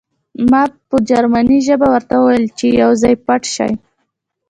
ما په جرمني ژبه ورته وویل چې یو ځای پټ شئ